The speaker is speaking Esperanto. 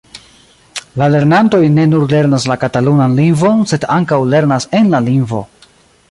La lernantoj ne nur lernas la katalunan lingvon, sed ankaŭ lernas en la lingvo.